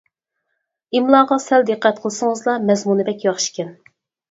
ئىملاغا سەل دىققەت قىلسىڭىزلا مەزمۇنى بەك ياخشىكەن.